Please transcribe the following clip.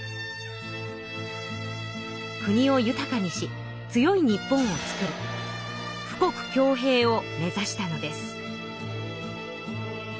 国を豊かにし強い日本をつくる富国強兵を目指したのです。